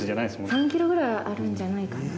３ｋｇぐらいあるんじゃないかな。